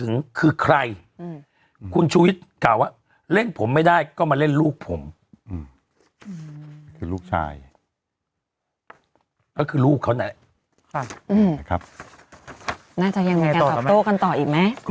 น่าจะยังเป็นการถอบโต้กันต่ออีกไหม